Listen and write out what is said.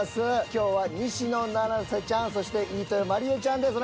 今日は西野七瀬ちゃんそして飯豊まりえちゃんです。